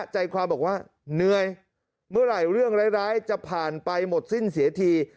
ใจความบอกว่าเหนื่อยเมื่อไหร่เรื่องร้ายจะผ่านไปหมดสิ้นเสียที